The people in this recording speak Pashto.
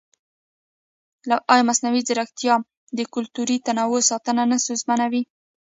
ایا مصنوعي ځیرکتیا د کلتوري تنوع ساتنه نه ستونزمنوي؟